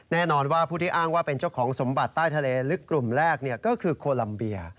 แน่นอนว่าผู้ที่อ้างว่าเป็นเจ้าของสมบัติใต้ทะเลลึกกลุ่มแรกก็คือโคลัมเบีย